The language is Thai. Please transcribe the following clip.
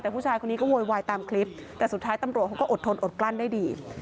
แต่ผู้ชายคนนี้ก็โวยวายตามคลิปแต่สุดท้ายตำรวจเขาก็อดทนอดกลั้นได้ดี